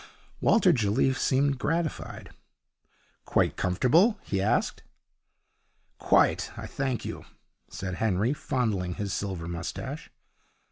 Walter Jelliffe seemed gratified. 'Quite comfortable?' he asked. 'Quite, I thank you,' said Henry, fondling his silver moustache.